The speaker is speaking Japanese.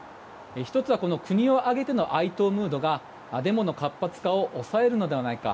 １つは国を挙げての哀悼ムードがデモの活発化を抑えるのではないか。